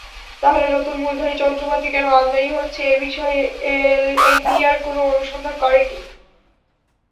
তাহলে নতুন মূলধনি যন্ত্রপাতি কেন আমদানি হচ্ছে—এ বিষয়ে এনবিআর কোনো অনুসন্ধান করেনি।